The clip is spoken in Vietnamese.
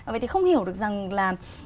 vậy thì không hiểu được rằng là